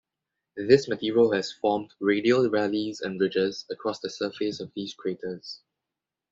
This material has formed radial valleys and ridges across the surface of these craters.